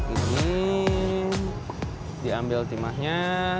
ini diambil timahnya